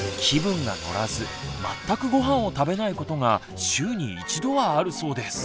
気分が乗らず全くごはんを食べないことが週に１度はあるそうです。